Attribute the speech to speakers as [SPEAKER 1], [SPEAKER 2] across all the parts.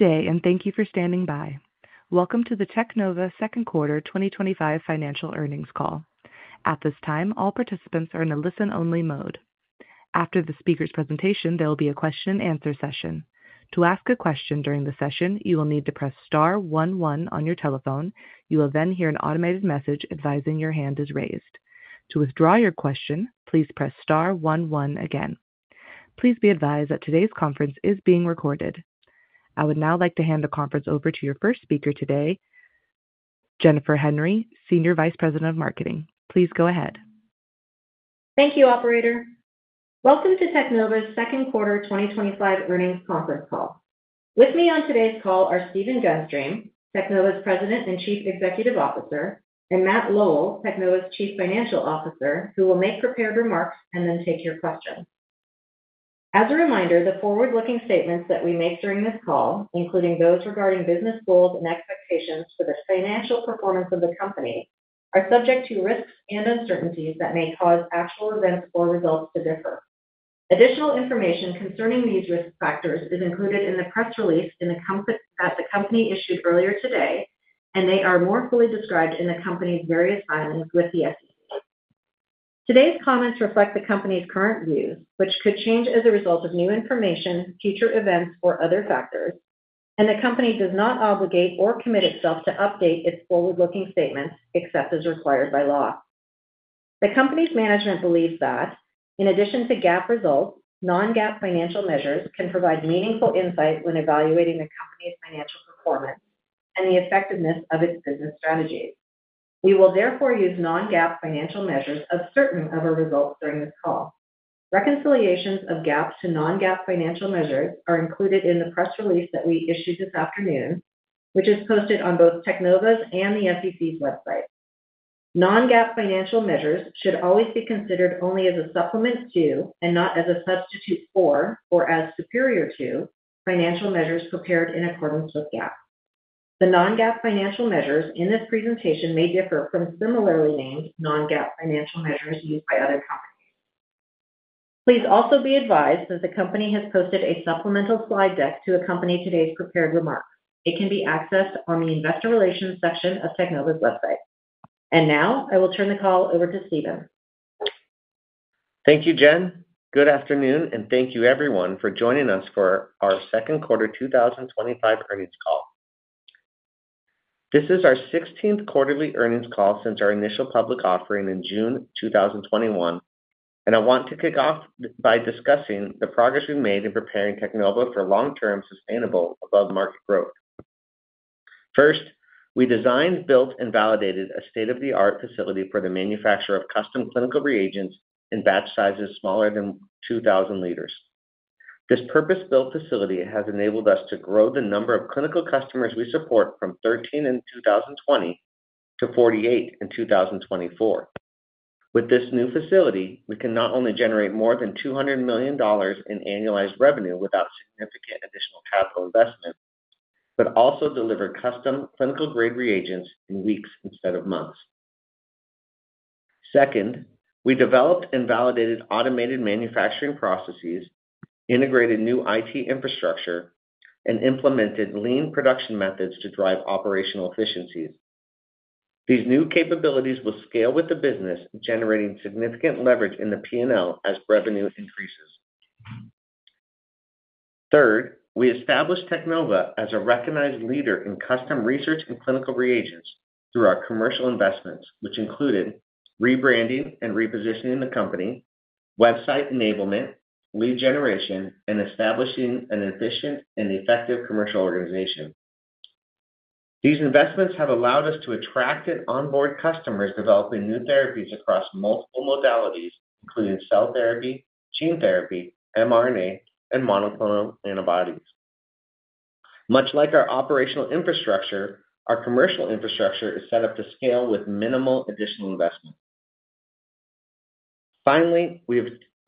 [SPEAKER 1] Good day, and thank you for standing by. Welcome to the Teknova Second Quarter 2025 Financial Earnings Call. At this time, all participants are in a listen-only mode. After the speaker's presentation, there will be a question-and-answer session. To ask a question during the session, you will need to press star one-one on your telephone. You will then hear an automated message advising your hand is raised. To withdraw your question, please press star one-one again. Please be advised that today's conference is being recorded. I would now like to hand the conference over to your first speaker today, Jennifer Henry, Senior Vice President of Marketing. Please go ahead.
[SPEAKER 2] Thank you, Operator. Welcome to Teknova's Second Quarter 2025 Earnings Conference Call. With me on today's call are Stephen Gunstream, Teknova's President and Chief Executive Officer, and Matt Lowell, Teknova's Chief Financial Officer, who will make prepared remarks and then take your question. As a reminder, the forward-looking statements that we make during this call, including those regarding business goals and expectations for the financial performance of the company, are subject to risks and uncertainties that may cause actual events or results to differ. Additional information concerning these risk factors is included in the press release that the company issued earlier today, and they are more fully described in the company's various filings with the SEC. Today's comments reflect the company's current view, which could change as a result of new information, future events, or other factors, and the company does not obligate or commit itself to update its forward-looking statements except as required by law. The company's management believes that, in addition to GAAP results, non-GAAP financial measures can provide meaningful insight when evaluating the company's financial performance and the effectiveness of its business strategies. We will therefore use non-GAAP financial measures as certain of a result during this call. Reconciliations of GAAP to non-GAAP financial measures are included in the press release that we issued this afternoon, which is posted on both Teknova's and the SEC's website. Non-GAAP financial measures should always be considered only as a supplement to, and not as a substitute for, or as superior to, financial measures prepared in accordance with GAAP. The non-GAAP financial measures in this presentation may differ from similarly named non-GAAP financial measures used by other companies. Please also be advised that the company has posted a supplemental slide deck to accompany today's prepared remarks. It can be accessed on the Investor Relations section of Teknova's website. I will turn the call over to Stephen.
[SPEAKER 3] Thank you, Jen. Good afternoon, and thank you, everyone, for joining us for our Second Quarter 2025 Earnings Call. This is our 16th quarterly earnings call since our initial public offering in June 2021, and I want to kick off by discussing the progress we've made in preparing Teknova for long-term sustainable above-market growth. First, we designed, built, and validated a state-of-the-art facility for the manufacture of custom clinical reagents in batch sizes smaller than 2,000 liters. This purpose-built facility has enabled us to grow the number of clinical customers we support from 13 in 2020 to 48 in 2024. With this new facility, we can not only generate more than $200 million in annualized revenue without significant additional capital investment, but also deliver custom clinical-grade reagents in weeks instead of months. Second, we developed and validated automated manufacturing processes, integrated new IT infrastructure, and implemented lean production methods to drive operational efficiencies. These new capabilities will scale with the business, generating significant leverage in the P&L as revenue increases. Third, we established Teknova as a recognized leader in custom research and clinical reagents through our commercial investments, which included rebranding and repositioning the company, website enablement, lead generation, and establishing an efficient and effective commercial organization. These investments have allowed us to attract and onboard customers developing new therapies across multiple modalities, including cell therapy, gene therapy, mRNA, and monoclonal antibodies. Much like our operational infrastructure, our commercial infrastructure is set up to scale with minimal additional investment. Finally,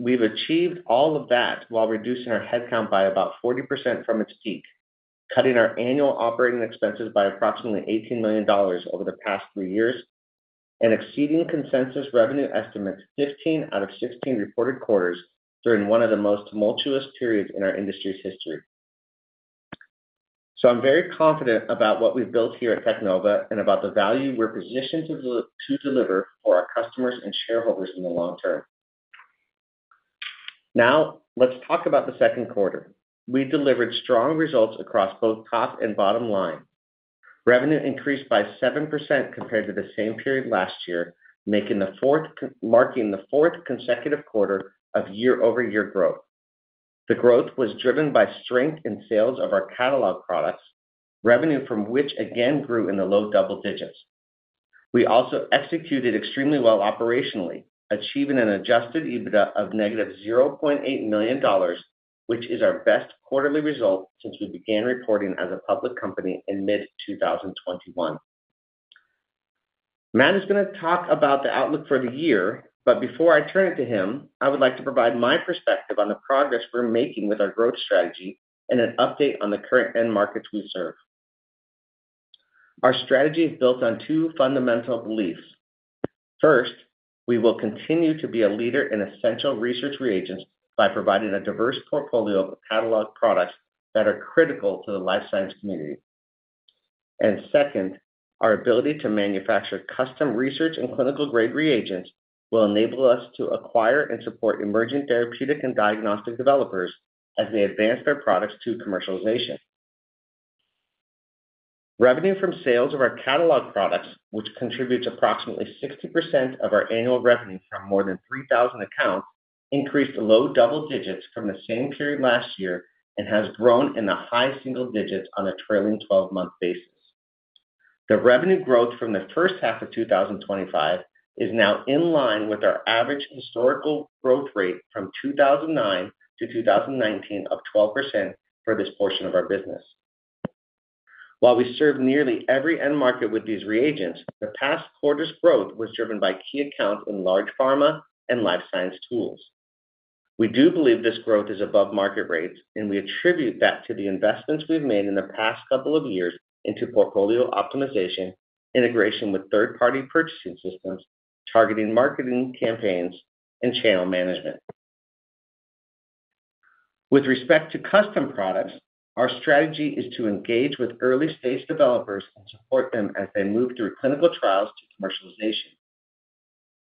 [SPEAKER 3] we've achieved all of that while reducing our headcount by about 40% from its peak, cutting our annual operating expenses by approximately $18 million over the past three years, and exceeding consensus revenue estimates 15 out of 16 reported quarters during one of the most tumultuous periods in our industry's history. I am very confident about what we've built here at Teknova and about the value we're positioned to deliver for our customers and shareholders in the long term. Now, let's talk about the Second Quarter. We delivered strong results across both top and bottom line. Revenue increased by 7% compared to the same period last year, marking the fourth consecutive quarter of year-over-year growth. The growth was driven by strength in sales of our catalog products, revenue from which again grew in the low double digits. We also executed extremely well operationally, achieving an adjusted EBITDA of -$0.8 million, which is our best quarterly result since we began reporting as a public company in mid-2021. Matt is going to talk about the outlook for the year, but before I turn it to him, I would like to provide my perspective on the progress we're making with our growth strategy and an update on the current end markets we serve. Our strategy is built on two fundamental beliefs. First, we will continue to be a leader in essential research reagents by providing a diverse portfolio of catalog products that are critical to the life sciences community. Second, our ability to manufacture custom research and clinical-grade reagents will enable us to acquire and support emerging therapeutic and diagnostic developers as they advance their products to commercialization. Revenue from sales of our catalog products, which contributes approximately 60% of our annual revenue from more than 3,000 accounts, increased low double digits from the same period last year and has grown in the high single digits on a trailing 12-month basis. The revenue growth from the first half of 2025 is now in line with our average historical growth rate from 2009-2019 of 12% for this portion of our business. While we serve nearly every end market with these reagents, the past quarter's growth was driven by key accounts in large pharma and life sciences tools. We do believe this growth is above market rates, and we attribute that to the investments we've made in the past couple of years into portfolio optimization, integration with third-party purchasing systems, targeted marketing campaigns, and channel management. With respect to custom products, our strategy is to engage with early-stage developers and support them as they move through clinical trials to commercialization.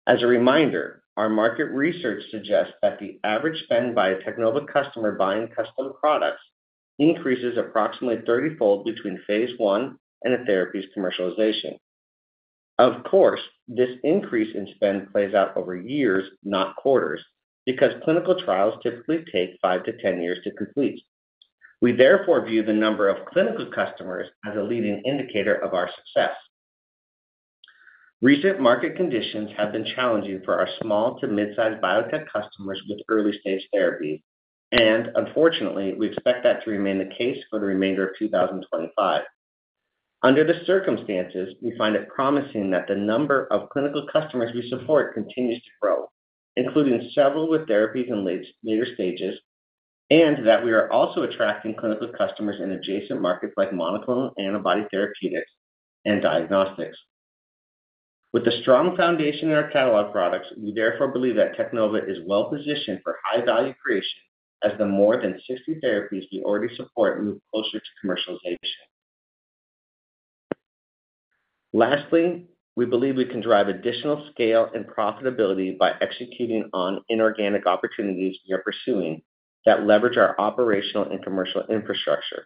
[SPEAKER 3] As a reminder, our market research suggests that the average spend by an Teknova customer buying custom products increases approximately 30-fold between phase I and a therapy's commercialization. Of course, this increase in spend plays out over years, not quarters, because clinical trials typically take five to ten years to complete. We therefore view the number of clinical customers as a leading indicator of our success. Recent market conditions have been challenging for our small to mid-sized biotech customers with early-stage therapies, and unfortunately, we expect that to remain the case for the remainder of 2025. Under the circumstances, we find it promising that the number of clinical customers we support continues to grow, including several with therapies in later stages, and that we are also attracting clinical customers in adjacent markets like monoclonal antibody therapeutics and diagnostics. With a strong foundation in our catalog products, we therefore believe that Teknova is well positioned for high-value creation as the more than 60 therapies we already support move closer to commercialization. Lastly, we believe we can drive additional scale and profitability by executing on inorganic opportunities we are pursuing that leverage our operational and commercial infrastructure.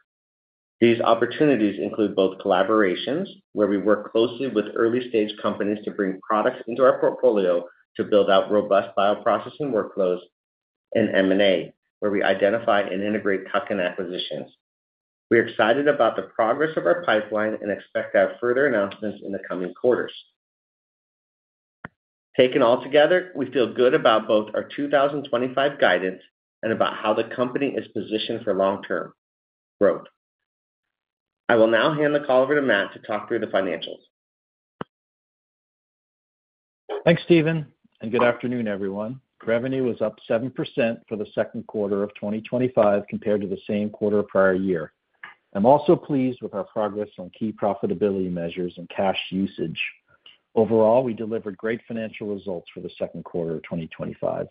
[SPEAKER 3] These opportunities include both collaborations, where we work closely with early-stage companies to bring products into our portfolio to build out robust bioprocessing workflows, and M&A, where we identify and integrate targeted acquisitions. We are excited about the progress of our pipeline and expect further announcements in the coming quarters. Taken altogether, we feel good about both our 2025 guidance and about how the company is positioned for long-term growth. I will now hand the call over to Matt to talk through the financials.
[SPEAKER 4] Thanks, Stephen, and good afternoon, everyone. Revenue was up 7% for the Second Quarter of 2025 compared to the same quarter of prior year. I'm also pleased with our progress on key profitability measures and cash usage. Overall, we delivered great financial results for the Second Quarter of 2025.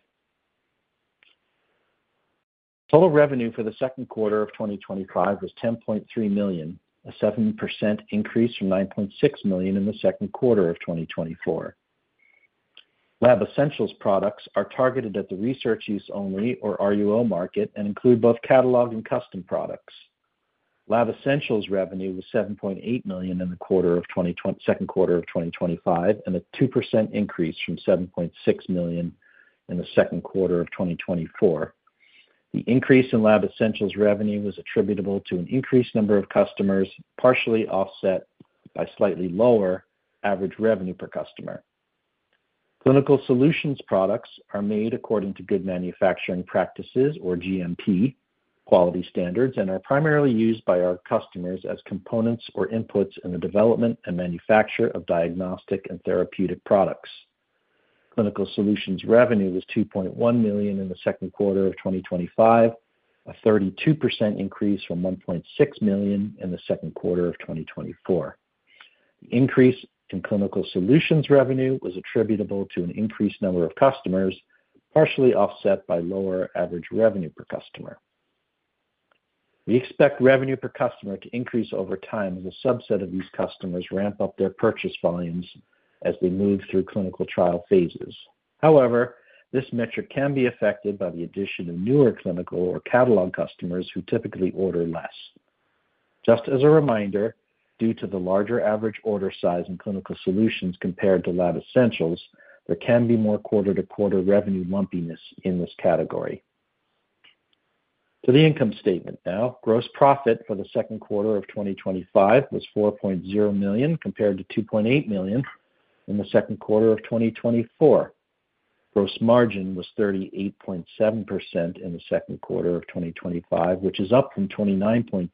[SPEAKER 4] Total revenue for the Second Quarter of 2025 was $10.3 million, a 7% increase from $9.6 million in the Second Quarter of 2024. Lab Essentials products are targeted at the Research Use Only, or RUO, market and include both catalog and custom products. Lab Essentials revenue was $7.8 million in the Second Quarter of 2025, and a 2% increase from $7.6 million in the Second Quarter of 2024. The increase in Lab Essentials revenue was attributable to an increased number of customers, partially offset by slightly lower average revenue per customer. Clinical Solutions products are made according to Good Manufacturing Practice, or GMP, quality standards, and are primarily used by our customers as components or inputs in the development and manufacture of diagnostic and therapeutic products. Clinical Solutions revenue was $2.1 million in the Second Quarter of 2025, a 32% increase from $1.6 million in the Second Quarter of 2024. The increase in Clinical Solutions revenue was attributable to an increased number of customers, partially offset by lower average revenue per customer. We expect revenue per customer to increase over time as a subset of these customers ramp up their purchase volumes as they move through clinical trial phases. However, this metric can be affected by the addition of newer clinical or catalog customers who typically order less. Just as a reminder, due to the larger average order size in Clinical Solutions compared to Lab Essentials, there can be more quarter-to-quarter revenue lumpiness in this category. To the income statement now, gross profit for the Second Quarter of 2025 was $4.0 million compared to $2.8 million in the Second Quarter of 2024. Gross margin was 38.7% in the Second Quarter of 2025, which is up from 29.2%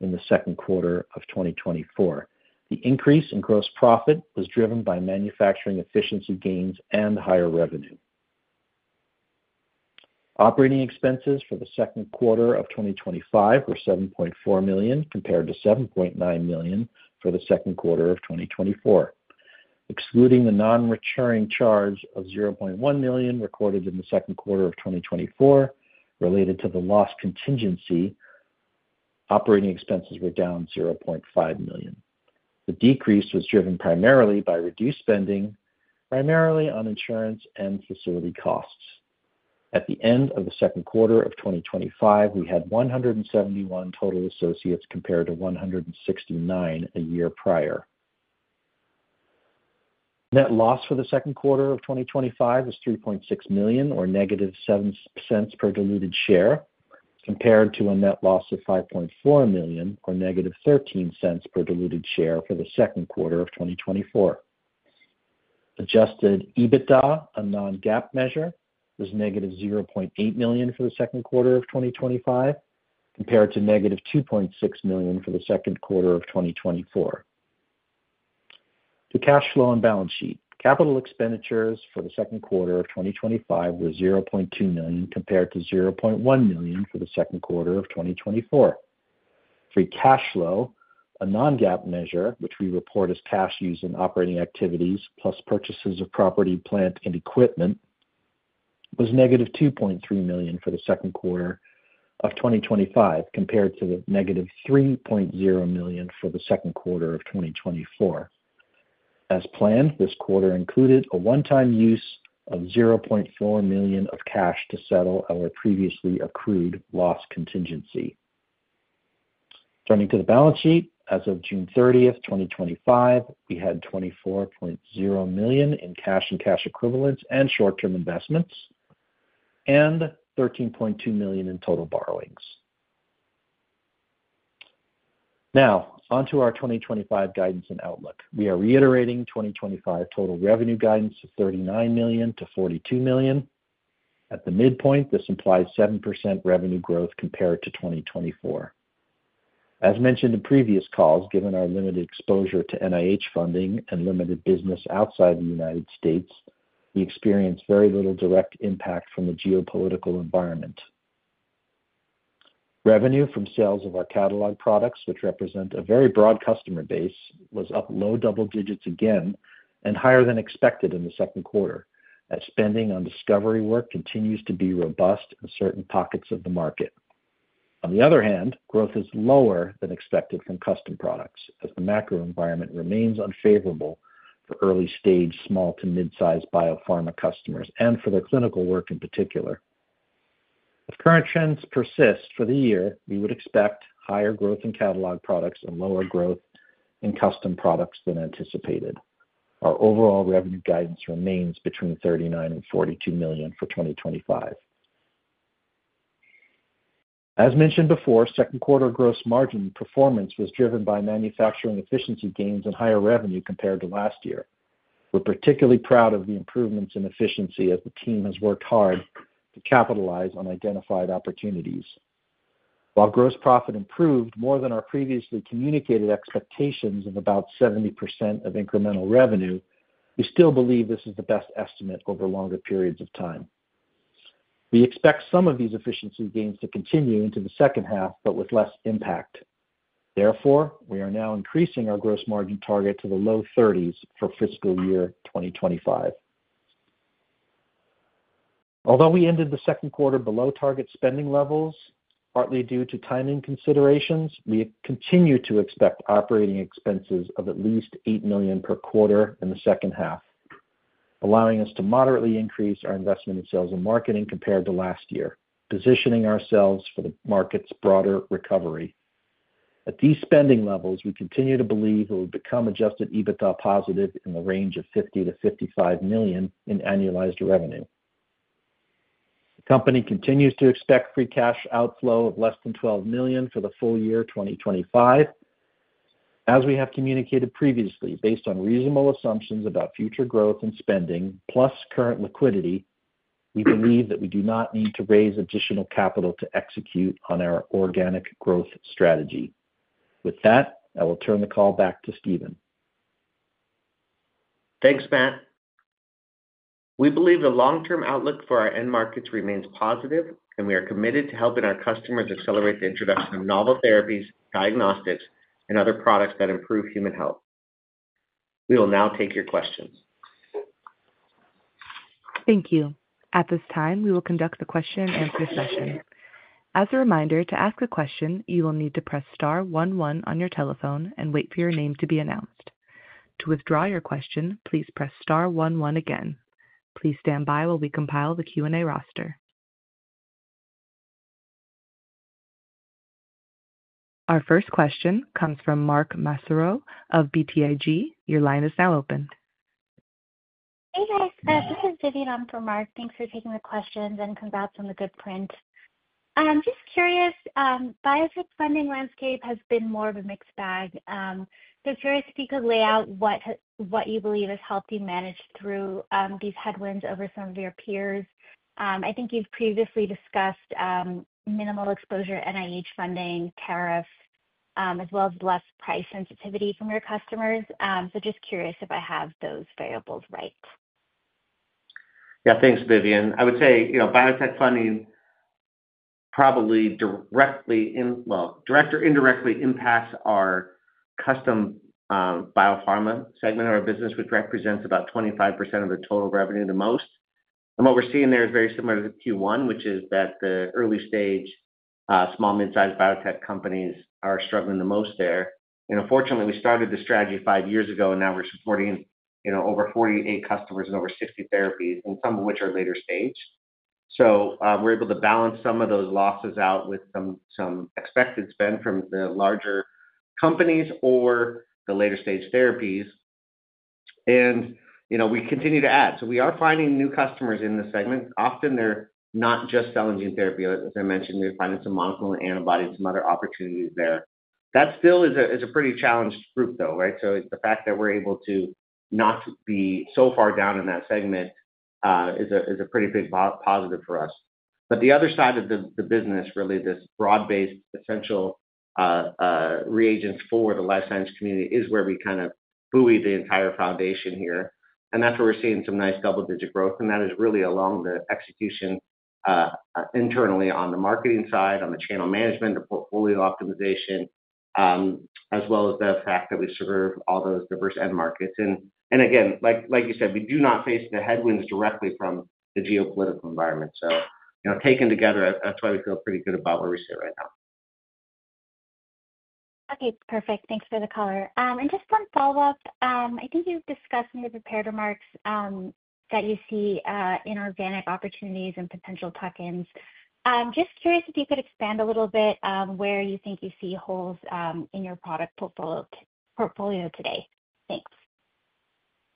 [SPEAKER 4] in the Second Quarter of 2024. The increase in gross profit was driven by manufacturing efficiency gains and higher revenue. Operating expenses for the Second Quarter of 2025 were $7.4 million compared to $7.9 million for the Second Quarter of 2024. Excluding the non-returning charge of $0.1 million recorded in the Second Quarter of 2024, related to the loss contingency, operating expenses were down $0.5 million. The decrease was driven primarily by reduced spending, primarily on insurance and facility costs. At the end of the Second Quarter of 2025, we had 171 total associates compared to 169 a year prior. Net loss for the Second Quarter of 2025 was $3.6 million, or -$0.07 per diluted share, compared to a net loss of $5.4 million, or -$0.13 per diluted share for the Second Quarter of 2024. Adjusted EBITDA, a non-GAAP measure, was -$0.8 million for the Second Quarter of 2025, compared to -$2.6 million for the Second Quarter of 2024. To cash flow and balance sheet, capital expenditures for the Second Quarter of 2025 were $0.2 million compared to $0.1 million for the Second Quarter of 2024. Free cash flow, a non-GAAP measure, which we report as cash used in operating activities plus purchases of property, plant, and equipment, was -$2.3 million for the Second Quarter of 2025, compared to -$3.0 million for the Second Quarter of 2024. As planned, this quarter included a one-time use of $0.4 million of cash to settle our previously accrued loss contingency. Turning to the balance sheet, as of June 30, 2025, we had $24.0 million in cash and cash equivalents and short-term investments, and $13.2 million in total borrowings. Now, onto our 2025 guidance and outlook. We are reiterating 2025 total revenue guidance of $39 million-$42 million. At the midpoint, this implies 7% revenue growth compared to 2024. As mentioned in previous calls, given our limited exposure to NIH funding and limited business outside the U.S., we experienced very little direct impact from the geopolitical environment. Revenue from sales of our catalog products, which represent a very broad customer base, was up low double digits again and higher than expected in the Second Quarter, as spending on discovery work continues to be robust in certain pockets of the market. On the other hand, growth is lower than expected from custom products, as the macro environment remains unfavorable for early-stage, small to mid-sized biopharma customers and for their clinical work in particular. If current trends persist for the year, we would expect higher growth in catalog products and lower growth in custom products than anticipated. Our overall revenue guidance remains between $39 million and $42 million for 2025. As mentioned before, Second Quarter gross margin performance was driven by manufacturing efficiency gains and higher revenue compared to last year. We're particularly proud of the improvements in efficiency as the team has worked hard to capitalize on identified opportunities. While gross profit improved more than our previously communicated expectations of about 70% of incremental revenue, we still believe this is the best estimate over longer periods of time. We expect some of these efficiency gains to continue into the second half, but with less impact. Therefore, we are now increasing our gross margin target to the low 30% range for fiscal year 2025. Although we ended the Second Quarter below target spending levels, partly due to timing considerations, we continue to expect operating expenses of at least $8 million per quarter in the second half, allowing us to moderately increase our investment in sales and marketing compared to last year, positioning ourselves for the market's broader recovery. At these spending levels, we continue to believe that we've become adjusted EBITDA positive in the range of $50-$55 million in annualized revenue. The company continues to expect free cash outflow of less than $12 million for the full year 2025. As we have communicated previously, based on reasonable assumptions about future growth and spending plus current liquidity, we believe that we do not need to raise additional capital to execute on our organic growth strategy. With that, I will turn the call back to Stephen.
[SPEAKER 3] Thanks, Matt. We believe the long-term outlook for our end markets remains positive, and we are committed to helping our customers accelerate the introduction of novel therapies, diagnostics, and other products that improve human health. We will now take your question.
[SPEAKER 1] Thank you. At this time, we will conduct the question-and-answer session. As a reminder, to ask a question, you will need to press star one-one on your telephone and wait for your name to be announced. To withdraw your question, please press star one-one again. Please stand by while we compile the Q&A roster. Our first question comes from Mark Massaro of BTIG. Your line is now open.
[SPEAKER 5] Hey, guys. This is Vivian on for Mark. Thanks for taking the questions and congrats on the good print. I'm just curious, the biotech funding landscape has been more of a mixed bag. I'm curious if you could lay out what you believe has helped you manage through these headwinds over some of your peers. I think you've previously discussed minimal exposure to NIH funding, tariffs, as well as less price sensitivity from your customers. I'm just curious if I have those variables right.
[SPEAKER 3] Yeah, thanks, Vivian. I would say, you know, biotech funding probably directly or indirectly impacts our custom biopharma segment of our business, which represents about 25% of the total revenue the most. What we're seeing there is very similar to Q1, which is that the early-stage, small, mid-sized biotech companies are struggling the most there. Unfortunately, we started this strategy five years ago, and now we're supporting over 48 customers and over 60 therapies, some of which are later stage. We're able to balance some of those losses out with some expected spend from the larger companies or the later-stage therapies. We continue to add. We are finding new customers in the segment. Often, they're not just selling gene therapy. As I mentioned, they're finding some monoclonal antibodies, some other opportunities there. That still is a pretty challenged group, though, right? The fact that we're able to not be so far down in that segment is a pretty big positive for us. The other side of the business, really, this broad-based essential reagents for the life science community is where we kind of buoy the entire foundation here. That's where we're seeing some nice double-digit growth. That is really along the execution internally on the marketing side, on the channel management, the portfolio optimization, as well as the fact that we serve all those diverse end markets. Again, like you said, we do not face the headwinds directly from the geopolitical environment. Taken together, that's why we feel pretty good about where we sit right now.
[SPEAKER 5] Okay, perfect. Thanks for the color. Just one follow-up. I think you've discussed in the prepared remarks that you see inorganic opportunities and potential tuck-ins. I'm just curious if you could expand a little bit on where you think you see holes in your product portfolio today. Thanks.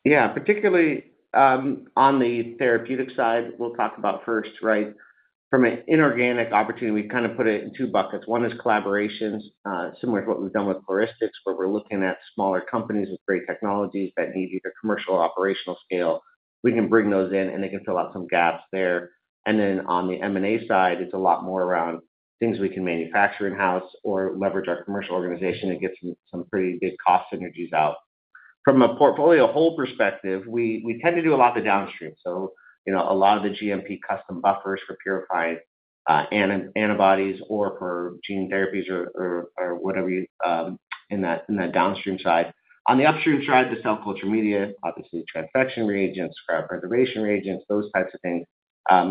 [SPEAKER 3] Yeah, particularly on the therapeutic side, we'll talk about first, right? From an inorganic opportunity, we kind of put it in two buckets. One is collaborations, similar to what we've done with Pluristics, where we're looking at smaller companies with great technologies that need either commercial or operational scale. We can bring those in, and they can fill out some gaps there. On the M&A side, it's a lot more around things we can manufacture in-house or leverage our commercial organization to get some pretty good cost synergies out. From a portfolio hold perspective, we tend to do a lot of the downstream. You know, a lot of the GMP custom buffers for purifying antibodies or for gene therapies or whatever you in that downstream side. On the upstream side, the cell culture media, obviously transfection reagents, preservation reagents, those types of things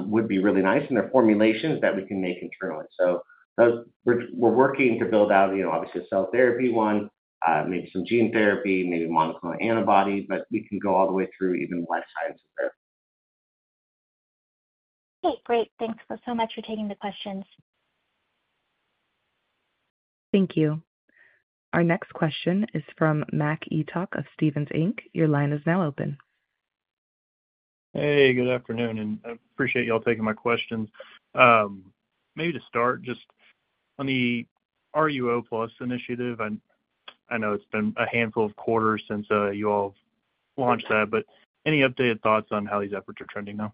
[SPEAKER 3] would be really nice in their formulations that we can make in Trulance. Those we're working to build out, you know, obviously a cell therapy one, maybe some gene therapy, maybe monoclonal antibody, but we can go all the way through even life science therapy.
[SPEAKER 5] Okay, great. Thanks so much for taking the questions.
[SPEAKER 1] Thank you. Our next question is from Mac Etoch of Stephens Inc. Your line is now open.
[SPEAKER 6] Hey, good afternoon, and I appreciate you all taking my questions. Maybe to start, just on the RUO Plus initiative, I know it's been a handful of quarters since you all have launched that, but any updated thoughts on how these efforts are trending now?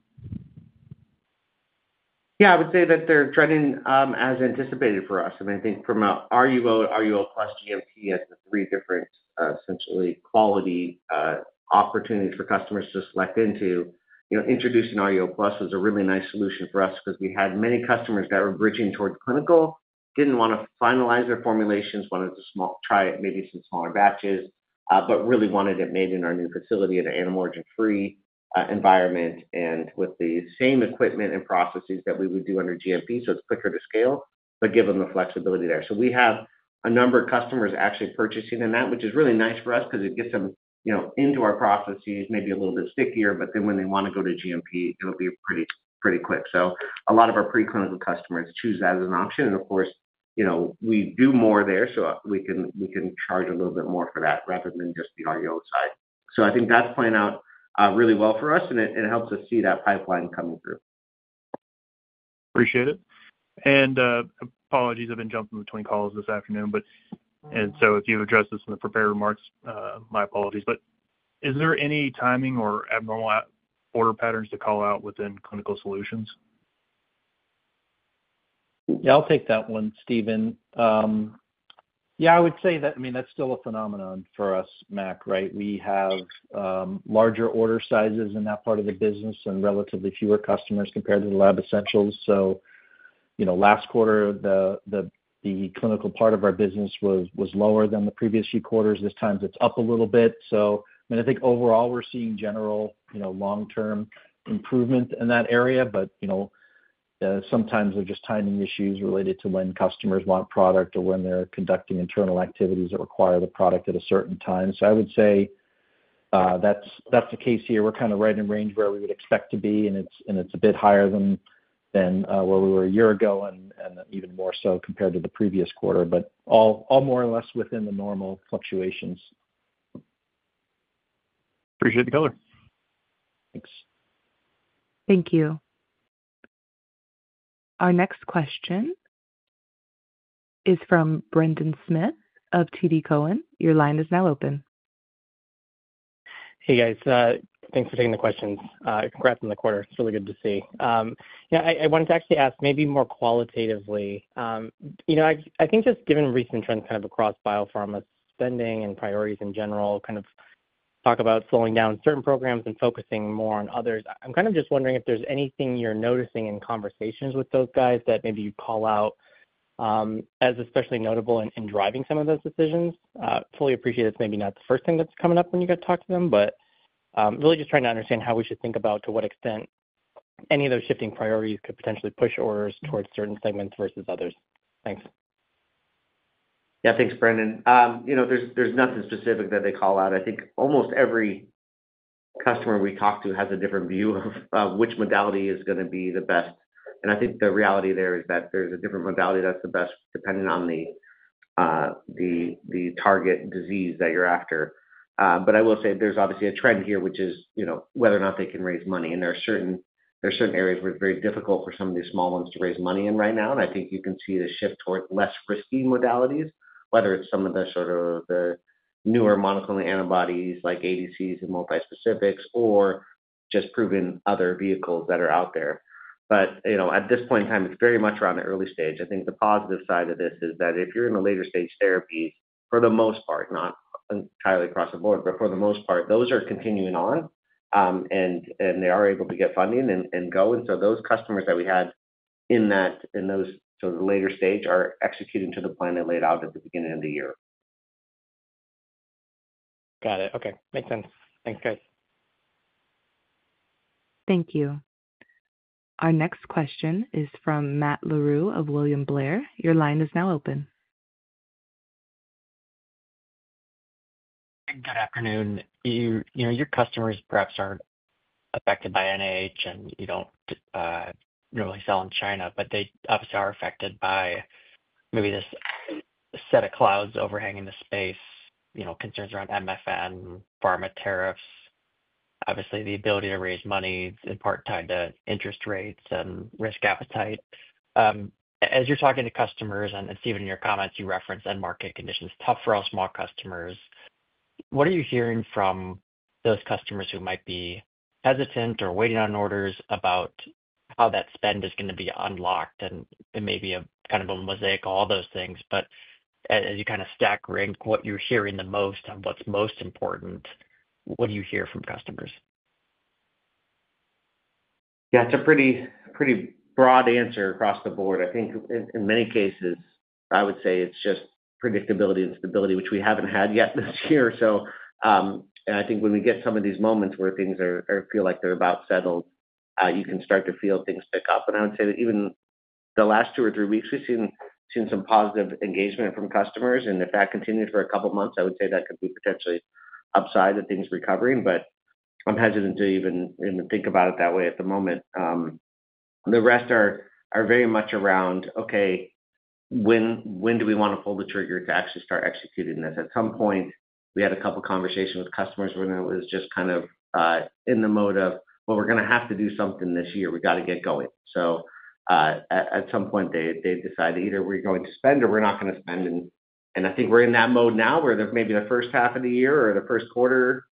[SPEAKER 3] Yeah, I would say that they're trending as anticipated for us. I mean, I think from RUO, RUO Plus, GMP are the three different, essentially, quality opportunities for customers to select into. Introducing RUO Plus was a really nice solution for us because we had many customers that were bridging toward clinical, didn't want to finalize their formulations, wanted to try it in maybe some smaller batches, but really wanted it made in our new facility in an animal-origin-free environment and with the same equipment and processes that we would do under GMP, so it's quicker to scale, but give them the flexibility there. We have a number of customers actually purchasing in that, which is really nice for us because it gets them into our processes maybe a little bit stickier, but then when they want to go to GMP, it'll be pretty, pretty quick. A lot of our preclinical customers choose that as an option, and of course, we do more there, so we can charge a little bit more for that rather than just the RUO side. I think that's playing out really well for us, and it helps us see that pipeline coming through.
[SPEAKER 6] Appreciate it. Apologies, I've been jumping between calls this afternoon. If you addressed this in the prepared remarks, my apologies, but is there any timing or abnormal order patterns to call out within Clinical Solutions?
[SPEAKER 4] Yeah, I'll take that one, Stephen. I would say that, I mean, that's still a phenomenon for us, Mac, right? We have larger order sizes in that part of the business and relatively fewer customers compared to the Lab Essentials. Last quarter, the clinical part of our business was lower than the previous few quarters. This time, it's up a little bit. I think overall we're seeing general, long-term improvement in that area, but sometimes there are just timing issues related to when customers want product or when they're conducting internal activities that require the product at a certain time. I would say that's the case here. We're kind of right in range where we would expect to be, and it's a bit higher than where we were a year ago and even more so compared to the previous quarter, but all more or less within the normal fluctuations.
[SPEAKER 6] Appreciate the color.
[SPEAKER 1] Thank you. Our next question is from Brendan Smith of TD Cowen. Your line is now open.
[SPEAKER 7] Hey, guys. Thanks for taking the questions. Congrats on the quarter. It's really good to see. I wanted to actually ask maybe more qualitatively. I think just given recent trends kind of across biopharma spending and priorities in general, talk about slowing down certain programs and focusing more on others. I'm kind of just wondering if there's anything you're noticing in conversations with those guys that maybe you'd call out as especially notable in driving some of those decisions. Fully appreciate it's maybe not the first thing that's coming up when you get to talk to them, but really just trying to understand how we should think about to what extent any of those shifting priorities could potentially push orders towards certain segments versus others. Thanks.
[SPEAKER 3] Yeah, thanks, Brendan. There's nothing specific that they call out. I think almost every customer we talk to has a different view of which modality is going to be the best. I think the reality there is that there's a different modality that's the best depending on the target disease that you're after. I will say there's obviously a trend here, which is whether or not they can raise money. There are certain areas where it's very difficult for some of these small ones to raise money in right now. I think you can see the shift toward less risky modalities, whether it's some of the newer monoclonal antibodies like ADCs and multi-specifics or just proven other vehicles that are out there. At this point in time, it's very much around the early stage. I think the positive side of this is that if you're in the later-stage therapy, for the most part, not entirely across the board, but for the most part, those are continuing on. They are able to get funding and go. Those customers that we had in those later stage are executing to the plan that laid out at the beginning of the year.
[SPEAKER 7] Got it. Okay, makes sense. Thanks.
[SPEAKER 1] Thank you. Our next question is from Matt Larew of William Blair & Company. Your line is now open.
[SPEAKER 8] Good afternoon. You know, your customers perhaps aren't affected by NIH, and you don't normally sell in China, but they obviously are affected by maybe this set of clouds overhanging the space, you know, concerns around MFN, pharma tariffs, obviously the ability to raise money in part tied to interest rates and risk appetite. As you're talking to customers, and Stephen, in your comments, you referenced end market conditions tough for all small customers. What are you hearing from those customers who might be hesitant or waiting on orders about how that spend is going to be unlocked? It may be a kind of a mosaic of all those things, but as you kind of stack rank what you're hearing the most and what's most important, what do you hear from customers?
[SPEAKER 3] Yeah, it's a pretty broad answer across the board. I think in many cases, I would say it's just predictability and stability, which we haven't had yet this year. I think when we get some of these moments where things feel like they're about settled, you can start to feel things pick up. I would say that even the last two or three weeks, we've seen some positive engagement from customers. If that continues for a couple of months, I would say that could be potentially upside that things are recovering, but I'm hesitant to even think about it that way at the moment. The rest are very much around, okay, when do we want to pull the trigger to actually start executing this? At some point, we had a couple of conversations with customers when it was just kind of in the mode of, well, we're going to have to do something this year. We got to get going. At some point, they decided either we're going to spend or we're not going to spend. I think we're in that mode now where maybe the first half of the year or the First Quarter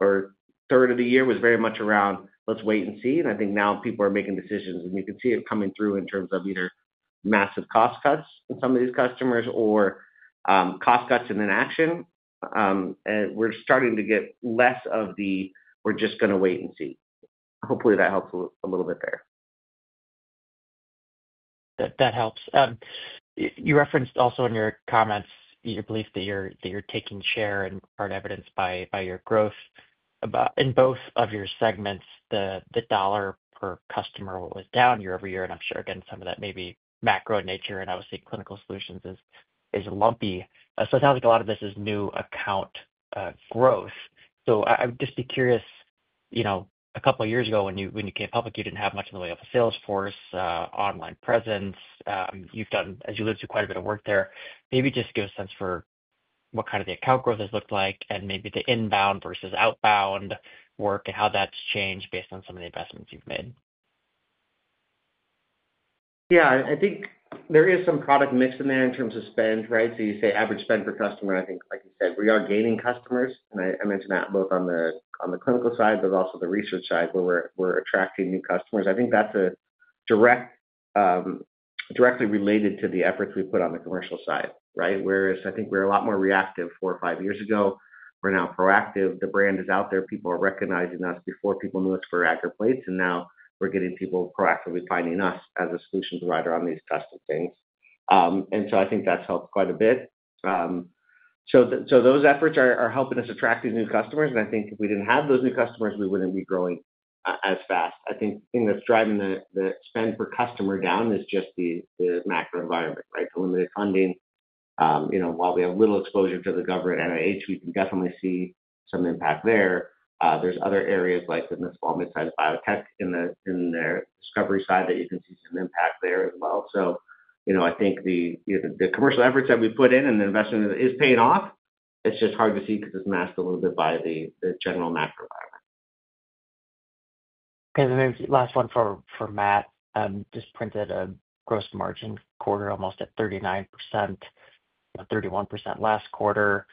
[SPEAKER 3] or third of the year was very much around, let's wait and see. I think now people are making decisions, and you can see it coming through in terms of either massive cost cuts in some of these customers or cost cuts and inaction. We're starting to get less of the, we're just going to wait and see. Hopefully, that helps a little bit there.
[SPEAKER 8] That helps. You referenced also in your comments your belief that you're taking share and part evidence by your growth. In both of your segments, the dollar per customer was down year over year. I'm sure again some of that may be macro in nature, and obviously Clinical Solutions is lumpy. It sounds like a lot of this is new account growth. I would just be curious, a couple of years ago when you came public, you didn't have much in the way of a sales force or online presence. You've done, as you alluded to, quite a bit of work there. Maybe just give a sense for what kind of the account growth has looked like, and maybe the inbound versus outbound work and how that's changed based on some of the investments you've made.
[SPEAKER 3] Yeah, I think there is some product mix in there in terms of spend, right? You say average spend per customer, and I think, like I said, we are gaining customers, and I mentioned that both on the clinical side, but also the research side where we're attracting new customers. I think that's directly related to the efforts we put on the commercial side, right? Whereas I think we were a lot more reactive four or five years ago, we're now proactive. The brand is out there. People are recognizing us. Before, people knew us for rack or plates, and now we're getting people proactively finding us as a solution provider on these custom things. I think that's helped quite a bit. Those efforts are helping us attract these new customers, and I think if we didn't have those new customers, we wouldn't be growing as fast. I think the thing that's driving the spend per customer down is just the macro environment, right? The limited funding, you know, while we have little exposure to the government and NIH, we can definitely see some impact there. There are other areas like the small mid-sized biotech in the discovery side that you can see some impact there as well. I think the commercial efforts that we put in and the investment is paying off. It's just hard to see because it's masked a little bit by the general macro environment.
[SPEAKER 8] The very last one for Matt, just printed a gross margin quarter almost at 39%, 31% last quarter.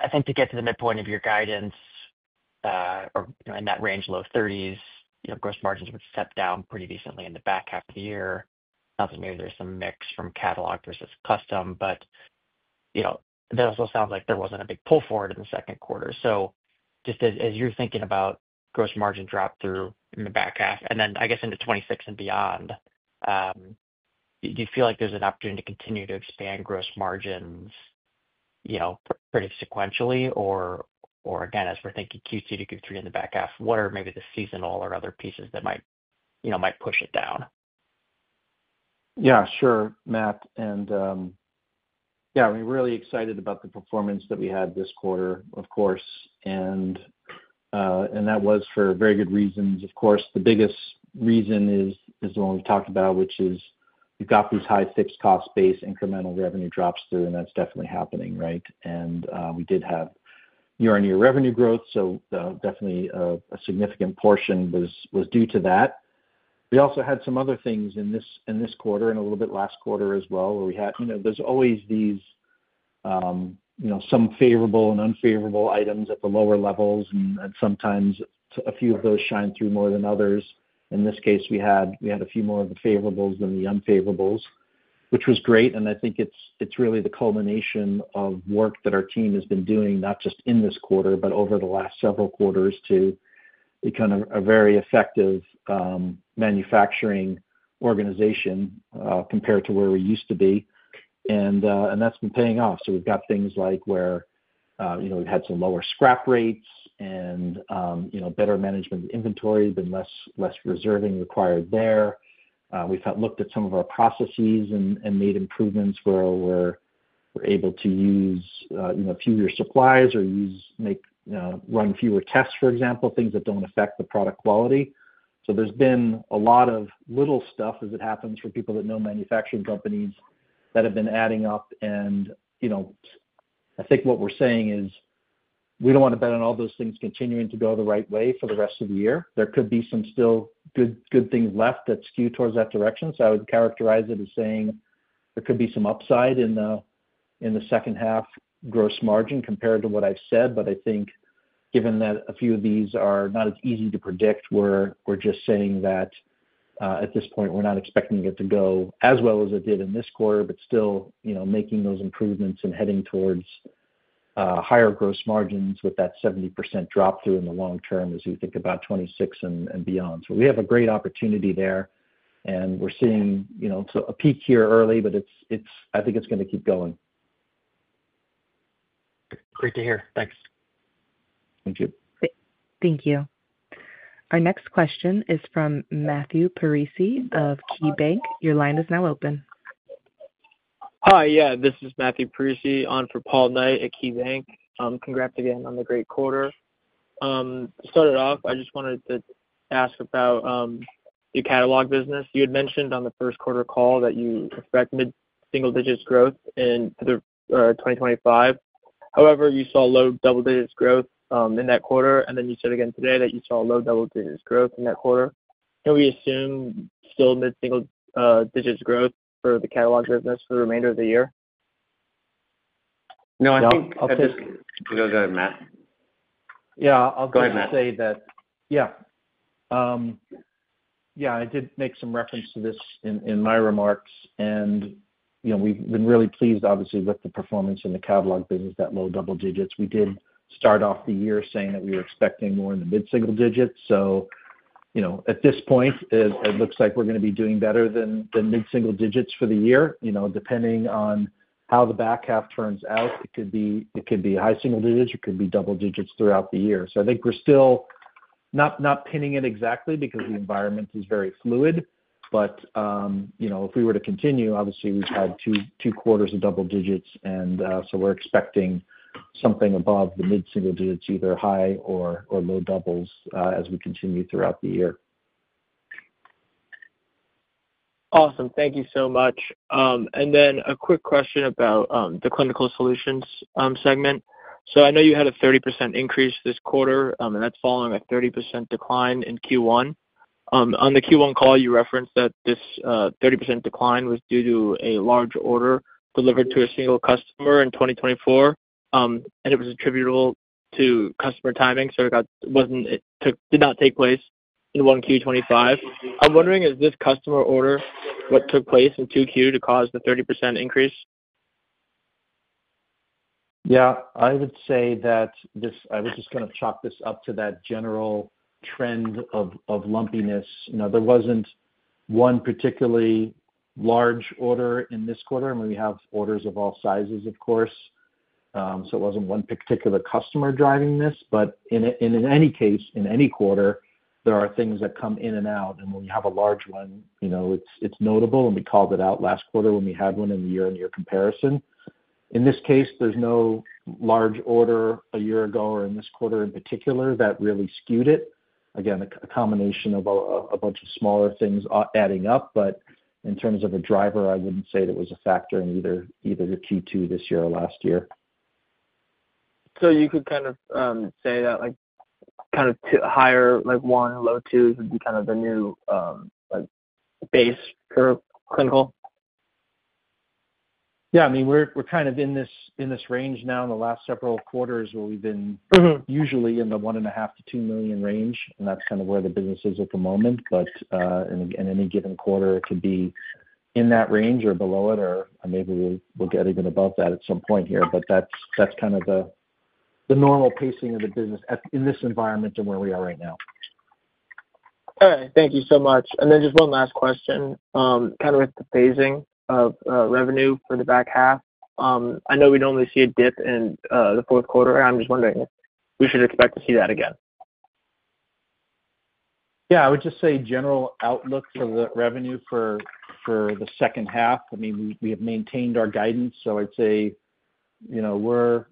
[SPEAKER 8] I think to get to the midpoint of your guidance or in that range, low 30s, gross margins have stepped down pretty recently in the back half of the year. It sounds like maybe there's some mix from catalog versus custom, but it also sounds like there wasn't a big pull forward in the Second Quarter. Just as you're thinking about gross margin drop through in the back half, and then I guess into 2026 and beyond, do you feel like there's an opportunity to continue to expand gross margins pretty sequentially? Again, as we're thinking Q2 to Q3 in the back half, what are maybe the seasonal or other pieces that might push it down?
[SPEAKER 4] Yeah, sure, Matt. I'm really excited about the performance that we had this quarter, of course. That was for very good reasons. The biggest reason is the one we've talked about, which is we've got these high fixed costs based incremental revenue drops through, and that's definitely happening, right? We did have year-on-year revenue growth, so definitely a significant portion was due to that. We also had some other things in this quarter and a little bit last quarter as well, where there's always these, you know, some favorable and unfavorable items at the lower levels, and sometimes a few of those shine through more than others. In this case, we had a few more of the favorables than the unfavorables, which was great. I think it's really the culmination of work that our team has been doing, not just in this quarter, but over the last several quarters, to become a very effective manufacturing organization compared to where we used to be. That's been paying off. We've got things like where we've had some lower scrap rates and better management of inventory, been less reserving required there. We've looked at some of our processes and made improvements where we're able to use fewer supplies or make, you know, run fewer tests, for example, things that don't affect the product quality. There's been a lot of little stuff, as it happens for people that know manufacturing companies, that have been adding up. I think what we're saying is we don't want to bet on all those things continuing to go the right way for the rest of the year. There could be some still good things left that skew towards that direction. I would characterize it as saying there could be some upside in the second half gross margin compared to what I've said. I think given that a few of these are not as easy to predict, we're just saying that at this point we're not expecting it to go as well as it did in this quarter, but still, making those improvements and heading towards higher gross margins with that 70% drop through in the long term as we think about 2026 and beyond. We have a great opportunity there. We're seeing a peak here early, but I think it's going to keep going.
[SPEAKER 8] Great to hear. Thanks.
[SPEAKER 4] Thank you.
[SPEAKER 1] Thank you. Our next question is from Matthew Parisi of KeyBanc. Your line is now open.
[SPEAKER 9] Hi, yeah, this is Matthew Moriarty Parisi on for Paul Knight at KeyBanc. Congrats again on the great quarter. To start it off, I just wanted to ask about your catalog business. You had mentioned on the First Quarter call that you expect mid-single digits growth in 2025. However, you saw low double digits growth in that quarter, and then you said again today that you saw low double digits growth in that quarter. Can we assume still mid-single digits growth for the catalog business for the remainder of the year?
[SPEAKER 4] No, I think.
[SPEAKER 3] Go ahead, Matt. Go ahead and say that.
[SPEAKER 4] Yeah. I did make some reference to this in my remarks. We've been really pleased, obviously, with the performance in the catalog business, that low double digits. We did start off the year saying that we were expecting more in the mid-single digits. At this point, it looks like we're going to be doing better than mid-single digits for the year. Depending on how the back half turns out, it could be high single digits or it could be double digits throughout the year. I think we're still not pinning it exactly because the environment is very fluid. If we were to continue, obviously, we've had two quarters of double digits, and we're expecting something above the mid-single digits, either high or low doubles, as we continue throughout the year.
[SPEAKER 9] Awesome. Thank you so much. A quick question about the Clinical Solutions segment. I know you had a 30% increase this quarter, and that's following a 30% decline in Q1. On the Q1 call, you referenced that this 30% decline was due to a large order delivered to a single customer in 2024, and it was attributable to customer timing. It did not take place in Q1 2025. I'm wondering, is this customer order what took place in Q2 to cause the 30% increase?
[SPEAKER 4] Yeah, I would say that this, I would just kind of chalk this up to that general trend of lumpiness. There wasn't one particularly large order in this quarter. I mean, we have orders of all sizes, of course. It wasn't one particular customer driving this. In any case, in any quarter, there are things that come in and out. When you have a large one, it's notable. We called it out last quarter when we had one in the year-on-year comparison. In this case, there's no large order a year ago or in this quarter in particular that really skewed it. Again, a combination of a bunch of smaller things adding up. In terms of a driver, I wouldn't say that it was a factor in either the Q2 this year or last year.
[SPEAKER 9] You could say that higher like one and low twos would be the new base per Clinical Solutions?
[SPEAKER 4] Yeah, I mean, we're kind of in this range now in the last several quarters where we've been usually in the $1.5 million-$2 million range. That's kind of where the business is at the moment. In any given quarter, it could be in that range or below it, or maybe we'll get even above that at some point here. That's kind of the normal pacing of the business in this environment and where we are right now.
[SPEAKER 9] All right. Thank you so much. Just one last question, kind of with the phasing of revenue for the back half. I know we normally see a dip in the Fourth Quarter. I'm just wondering if we should expect to see that again.
[SPEAKER 4] Yeah, I would just say general outlook for the revenue for the second half. I mean, we have maintained our guidance. I'd say we're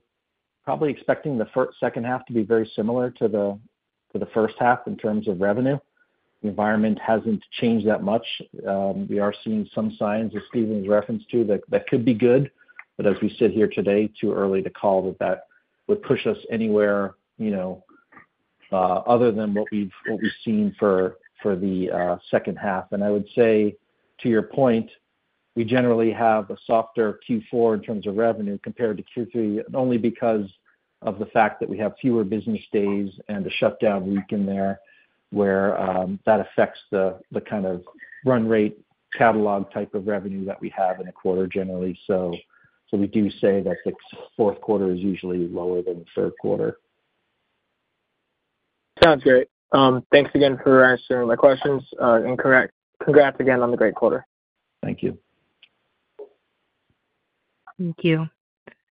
[SPEAKER 4] probably expecting the second half to be very similar to the first half in terms of revenue. The environment hasn't changed that much. We are seeing some signs, as Stephen referenced, that could be good. As we sit here today, it's too early to call that that would push us anywhere other than what we've seen for the second half. I would say, to your point, we generally have a softer Q4 in terms of revenue compared to Q3, only because of the fact that we have fewer business days and a shutdown week in there where that affects the kind of run rate catalog type of revenue that we have in a quarter generally. We do say that the Fourth Quarter is usually lower than the Third Quarter.
[SPEAKER 9] Sounds great. Thanks again for answering my questions, and congrats again on the great quarter.
[SPEAKER 4] Thank you.
[SPEAKER 1] Thank you.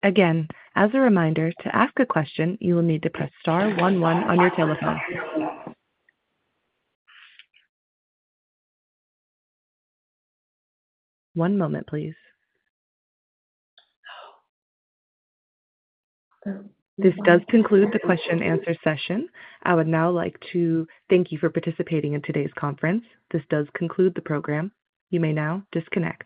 [SPEAKER 1] Again, as a reminder, to ask a question, you will need to press star one-one on your telephone. One moment, please. This does conclude the question-and-answer session. I would now like to thank you for participating in today's conference. This does conclude the program. You may now disconnect.